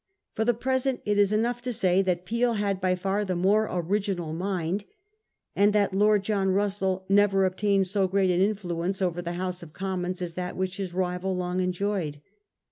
For the present it is enough to say that Peel had by far the more original mind, and that Lord John Russell never obtained so great an influence over the House of Com mons as that which his rival long enjoyed.